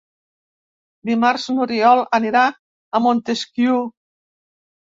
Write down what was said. Dimarts n'Oriol anirà a Montesquiu.